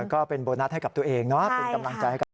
ก็เป็นโบนัสให้กับตัวเองเนาะเป็นกำลังใจให้กับ